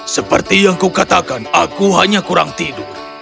seperti yang kukatakan aku hanya kurang tidur